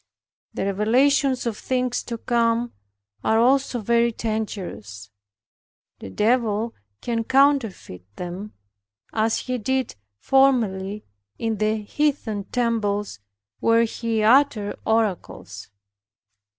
The revelations of things to come are also very dangerous. The Devil can counterfeit them, as he did formerly in the heathen temples, where he uttered oracles.